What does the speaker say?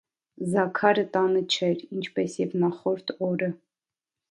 Զաքարը տանը չէր, ինչպես և նախորդ օրը: